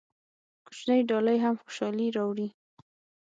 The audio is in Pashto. کوچنۍ ډالۍ هم خوشحالي راوړي.